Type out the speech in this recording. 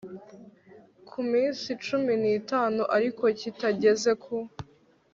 ku minsi cumi n itanu ariko kitageze ku